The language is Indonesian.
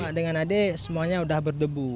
dengan adik semuanya sudah berdebu